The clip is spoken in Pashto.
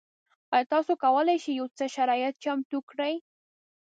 ایا تاسو کولی شئ یو څه شرایط چمتو کړئ؟